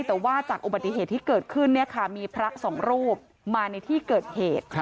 แต่ว่าจากอุบัติเหตุที่เกิดขึ้นมีพระสองรูปมาในที่เกิดเหตุ